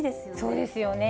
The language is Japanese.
そうですよね。